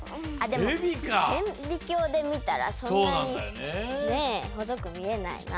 でも顕微鏡で見たらそんなにねほそく見えないな。